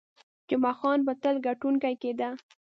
جمعه خان به تل ګټونکی کېده.